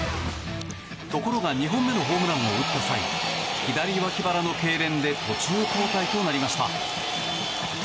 ところが２本目のホームランを打った際左わき腹のけいれんで途中交代となりました。